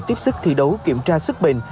tiếp sức thi đấu kiểm tra sức bình